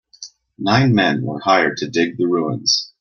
Nine men were hired to dig the ruins.